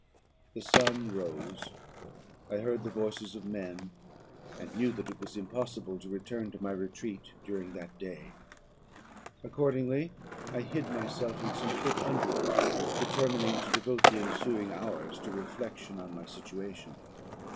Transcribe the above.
"The sun rose; I heard the voices of men, and knew that it was impossible to return to my retreat during that day. Accordingly I hid myself in some thick underwood, determining to devote the ensuing hours to reflection on my situation.